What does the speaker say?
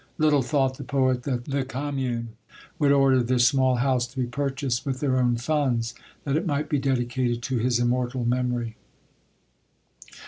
Little thought the poet that the commune would order this small house to be purchased with their own funds, that it might be dedicated to his immortal memory.